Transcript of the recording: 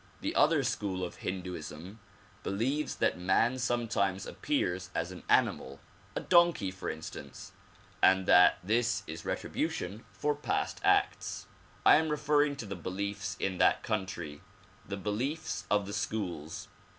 The other school of Hindooism believes that man sometimes appears as an animal, a donkey for instance, and that this is retribution for past acts. I am referring to the beliefs in that country, the beliefs of the schools.